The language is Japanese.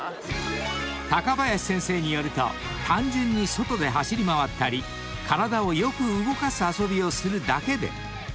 ［高林先生によると単純に外で走り回ったり体をよく動かす遊びをするだけで骨の変形は防げるそうです］